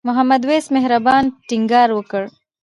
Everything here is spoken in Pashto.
محمد وېس مهربان ټینګار وکړ.